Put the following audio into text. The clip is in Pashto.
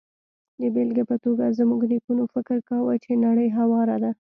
د بېلګې په توګه، زموږ نیکونو فکر کاوه چې نړۍ هواره ده.